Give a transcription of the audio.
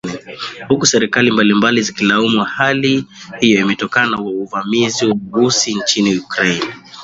huku serikali mbalimbali zikilaumu hali hiyo imetokana na uvamizi wa Urusi nchini Ukraine